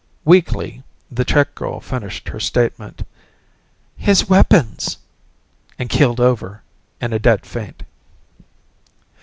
Weakly, the check girl finished her statement, "...His weapons!" and keeled over in a dead faint.